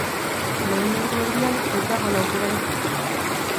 Lehen ordu erdian ez da gol-aukerarik izan.